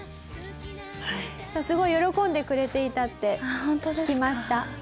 すごい喜んでくれていたって聞きました。